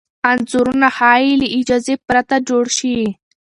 انځورونه ښايي له اجازې پرته جوړ شي.